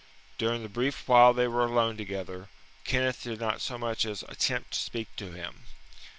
During the brief while they were alone together, Kenneth did not so much as attempt to speak to him.